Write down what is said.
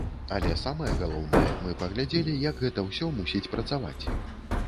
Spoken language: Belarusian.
Але самае галоўнае, мы паглядзелі, як гэта ўсё мусіць працаваць.